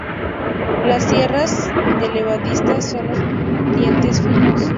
Las sierras del ebanista son de dientes finos.